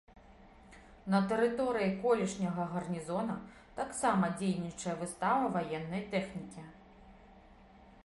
На тэрыторыі колішняга гарнізона таксама дзейнічае выстава ваеннай тэхнікі.